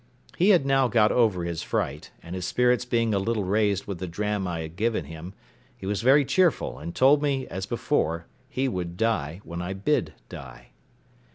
He had now got over his fright, and his spirits being a little raised with the dram I had given him, he was very cheerful, and told me, as before, he would die when I bid die.